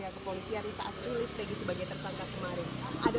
saat ilis peggy sebagai tersangka kemarin